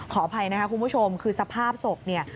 ขออภัยนะคะคุณผู้ชมคือสภาพศพเนี่ย